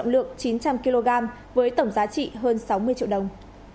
lượng chín trăm linh kg với tổng giá trị hơn sáu mươi triệu đồng